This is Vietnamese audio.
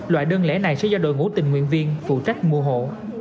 loại đơn lẻ này sẽ do đội ngũ tình nguyện viên phụ trách mua hộ